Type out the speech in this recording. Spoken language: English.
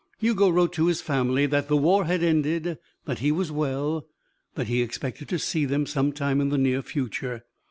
Hugo wrote to his family that the war was ended, that he was well, that he expected to see them some time in the near future.